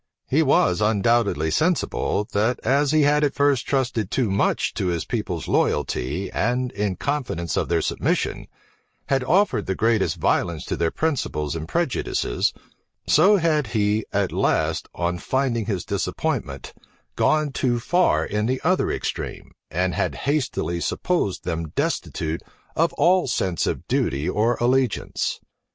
He was undoubtedly sensible, that as he had at first trusted too much to his people's loyalty, and, in confidence of their submission, had offered the greatest violence to their principles and prejudices, so had he, at last, on finding his disappointment, gone too far in the other extreme, and had hastily supposed them destitute of all sense of duty or allegiance.